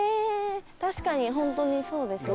確かにホントにそうですね。